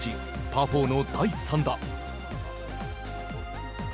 パー４の第３打。